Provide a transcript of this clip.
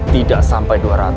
tidak sampai dua ratus